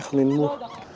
không nên mua